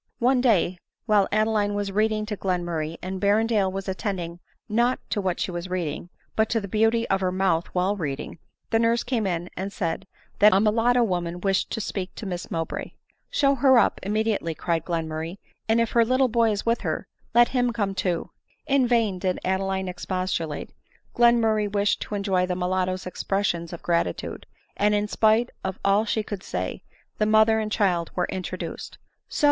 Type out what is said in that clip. One day, while Adeline was reading to Glenmurray, and Berrendale was attending not to what she read, but to the beauty of her mouth while reading, the nurse came in and said that " a mulatto woman wished to speak to Miss Mowbray." ^HW"^v i ««<«'■■ '^PP^VT" '^" J ')|*»■ 172 * ADELINE MOWBRAY. " Show her up," immediately cried Glenmumy ;" and if her little boy is with her, let him come too. 9 ' In vain did Adeline expostulate — Glenmurray wished to enjoy the mulatto's expressions of gratitude ; and, in spite of all she could say, the mother and child were in troduced. " So